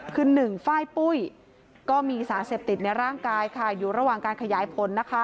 คือ๑ฝ้ายปุ้ยก็มีสารเสพติดในร่างกายอยู่ระหว่างการขยายผล